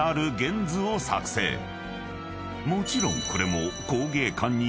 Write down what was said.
［もちろんこれも］